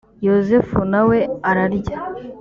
yozefu na we ararya